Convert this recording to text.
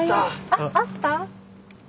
あっあった？